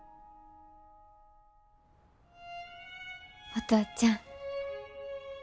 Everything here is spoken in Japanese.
お父ちゃん。